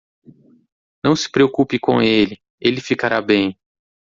Não se preocupe com ele? ele ficará bem.